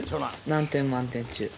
何点満点中？